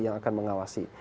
yang akan mengawasi